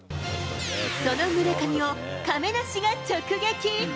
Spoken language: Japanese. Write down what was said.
その村上を亀梨が直撃。